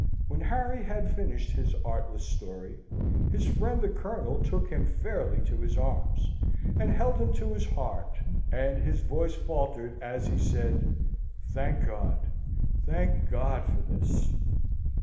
When Harry had finished his artless story, his friend the Colonel took him fairly to his arms, and held him to his heart: and his voice faltered as he said, "Thank God, thank God for this!"